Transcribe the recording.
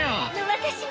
私も。